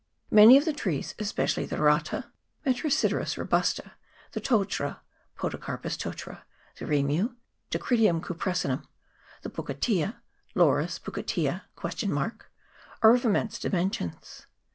Many of the trees, especially the rata (Metrosideros ro busta), the totara (Podocarpus totara), the rimu (Dacrydium cupressinum), the pukatea (Laurus pu katea ?), are of immense dimensions.